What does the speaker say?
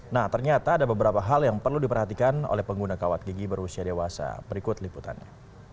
nah ternyata ada beberapa hal yang perlu diperhatikan oleh pengguna kawat gigi berusia dewasa berikut liputannya